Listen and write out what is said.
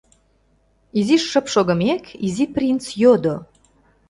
Изиш шып шогымек, Изи принц йодо: